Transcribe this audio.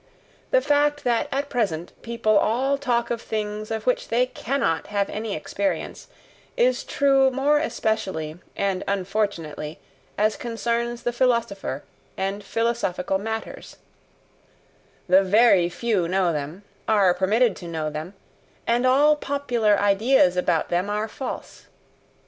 The fact that at present people all talk of things of which they CANNOT have any experience, is true more especially and unfortunately as concerns the philosopher and philosophical matters: the very few know them, are permitted to know them, and all popular ideas about them are false.